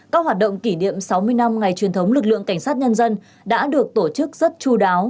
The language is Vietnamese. các hoạt động kỷ niệm sáu mươi năm ngày truyền thống lực lượng cảnh sát nhân dân đã được tổ chức rất chú đáo